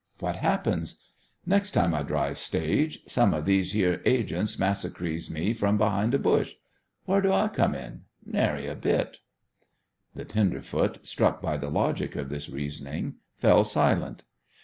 What happens? Nex' time I drives stage some of these yere agents massacrees me from behind a bush. Whar do I come in? Nary bit!" The tenderfoot, struck by the logic of this reasoning, fell silent.